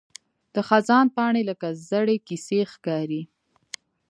د خزان پاڼې لکه زړې کیسې ښکاري